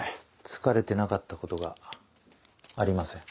疲れてなかったことがありません。